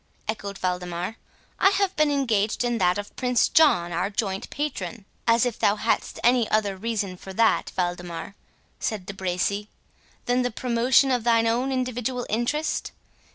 echoed Waldemar; "I have been engaged in that of Prince John, our joint patron." "As if thou hadst any other reason for that, Waldemar," said De Bracy, "than the promotion of thine own individual interest?